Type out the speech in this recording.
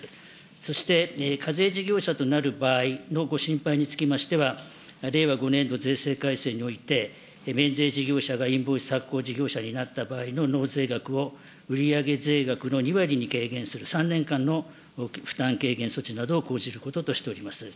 そして課税事業者となる場合のご心配につきましては、令和５年度税制改正において、免税事業者がインボイス発行事業者になった場合の納税額を売り上げ税額の２割に軽減する、３年間の負担軽減措置などを講じることとしております。